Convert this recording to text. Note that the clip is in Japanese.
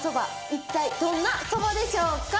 一体どんなそばでしょうか？